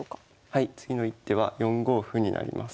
はい次の一手は４五歩になります。